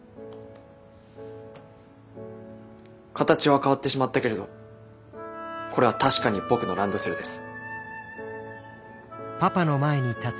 形は変わってしまったけれどこれは確かに僕のランドセルです。